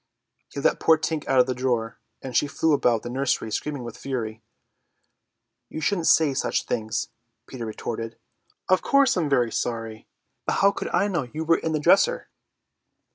He let poor Tink out of the drawer, and she flew about the nursery screaming with fury. "You shouldn't say such things," Peter retorted. "Of course I'm very sorry, but how could I know you were in the drawer?"